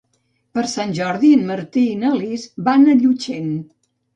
Per Sant Jordi en Martí i na Lis van a Llutxent.